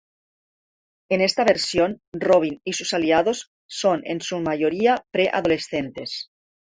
En esta versión Robin y sus aliados son en su mayoría pre adolescentes.